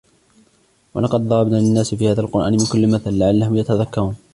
ولقد ضربنا للناس في هذا القرآن من كل مثل لعلهم يتذكرون